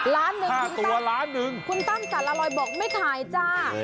ห้าห้าตัวล้านหนึ่งคุณตั้งสารรอยบอกไม่ถ่ายจ้า